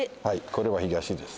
これは東です。